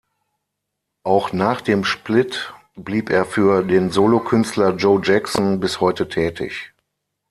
Auch nach dem Split blieb er für den Solokünstler Joe Jackson bis heute tätig.